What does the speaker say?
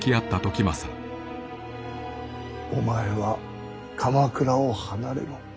お前は鎌倉を離れろ。